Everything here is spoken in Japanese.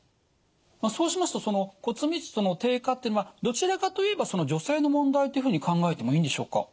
そうしますと骨密度の低下っていうのはどちらかと言えば女性の問題というふうに考えてもいいんでしょうか。